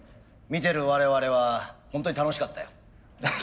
見てる我々はホントに楽しかったよ。